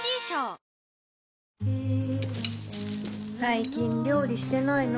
最近料理してないの？